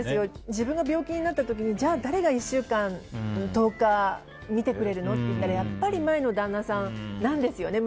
自分が病気になった時に誰が１週間、１０日見てくれるの？っていったらやっぱり前の旦那さんなんですよね。